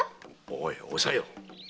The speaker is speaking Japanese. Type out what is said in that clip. おいおさよ！